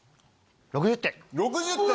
６０点！